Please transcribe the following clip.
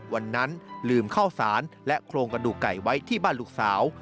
วันนั้นลืมข้าวสารและโครงกระดูกไก่ไว้ที่บ้านลูกสาว